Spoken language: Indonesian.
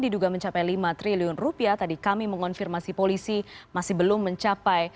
diduga mencapai lima triliun rupiah tadi kami mengonfirmasi polisi masih belum mencapai